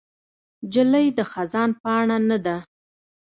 نجلۍ د خزان پاڼه نه ده.